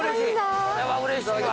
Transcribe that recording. これはうれしいわ。